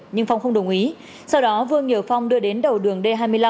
nhưng phong không đồng ý sau đó vương nhờ phong đưa đến đầu đường d hai mươi năm